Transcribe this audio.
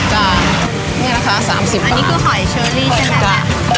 จ้ะนี่แหละค่ะสามสิบบาทอันนี้คือหอยเชอรี่ใช่ไหมอ่ะ